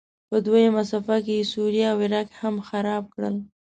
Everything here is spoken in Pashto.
په دوهمه څپه کې یې سوریه او عراق هم خراب کړل.